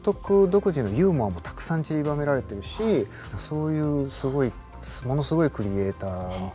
独自のユーモアもたくさんちりばめられてるしそういうものすごいクリエーターだなっていうのはいつも思います。